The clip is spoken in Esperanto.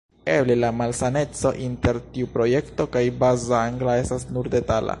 Eble la malsameco inter tiu projekto kaj Baza Angla estas nur detala.